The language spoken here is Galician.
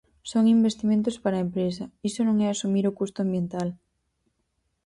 Son investimentos para a empresa, iso non é asumir o custo ambiental.